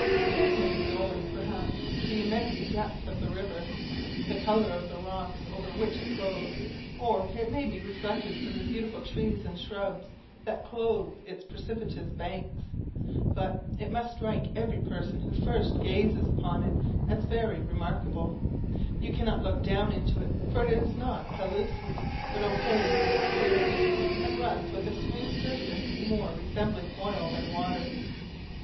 This may be owing, perhaps, to the immense depth of the river, the colour of the rocks over which it flows, or it may be reflected from the beautiful trees and shrubs that clothe its precipitous banks; but it must strike every person who first gazes upon it as very remarkable; You cannot look down into it, for it is not pellucid but opaque in its appearance, and runs with a smooth surface more resembling oil than water.